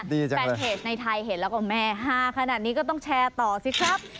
แฟนเพจในไทยเห็นแล้วก็แม่ฮาขนาดนี้ก็ต้องแชร์ต่อสิครับ